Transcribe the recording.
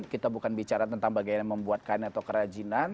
kita bukan bicara tentang bagaimana membuat kain atau kerajinan